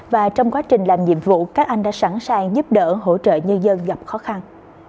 và trong quá trình làm nhiệm vụ các anh đã sẵn sàng giúp đỡ hỗ trợ nhân dân gặp khó khăn